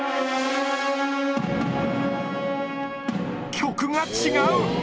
曲が違う。